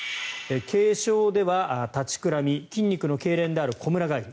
軽症では立ちくらみ筋肉のけいれんであるこむら返り。